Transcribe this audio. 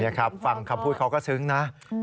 นี่ครับฟังคำพูดเขาก็ซึ้งนะ